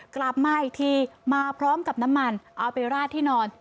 กลับมาอีกทีมาพร้อมกับน้ำมันเอาไปราดที่นอน